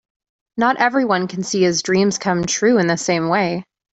Not everyone can see his dreams come true in the same way.